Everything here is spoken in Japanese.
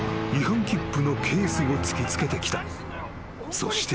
［そして］